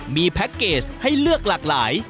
มีแพ็คเกจให้เลือกหลากหลาย